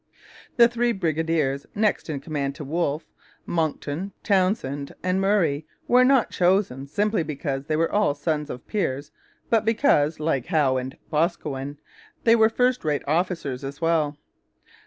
The three brigadiers next in command to Wolfe Monckton, Townshend, and Murray were not chosen simply because they were all sons of peers, but because, like Howe and Boscawen, they were first rate officers as well.